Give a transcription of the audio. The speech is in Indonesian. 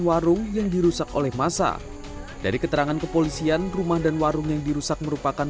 warung yang dirusak oleh masa dari keterangan kepolisian rumah dan warung yang dirusak merupakan